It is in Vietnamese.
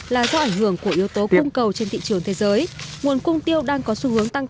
là do ảnh hưởng của yếu tố cung cầu trên thị trường thế giới nguồn cung tiêu đang có xu hướng tăng